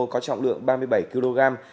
có trọng lượng ba mươi bảy kg